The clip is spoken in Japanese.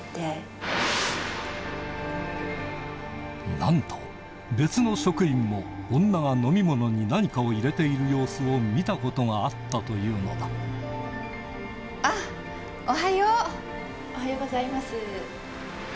なんと別の職員も女が飲み物に何かを入れている様子を見たことがあったというのだおはようございます